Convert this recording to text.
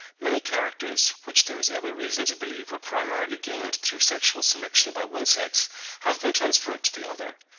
many characters, which there is every reason to believe were primarily gained through sexual selection by one sex, have been transferred to the other.